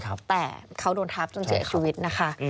แต่เขาโดนทับจนเสียชีวิตนะคะ